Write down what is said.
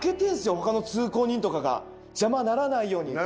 他の通行人とかが邪魔にならないように。